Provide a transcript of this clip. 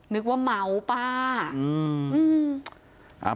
นึกว่าเมาป้า